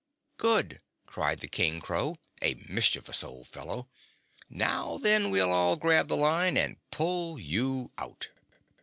"Good!" cried the King Crow, a mischievous old fellow. "Now, then, we'll all grab the line and pull you out."